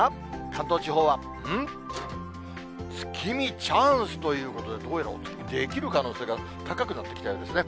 関東地方は、月見チャンスということで、どうやらできる可能性が高くなってきたようですね。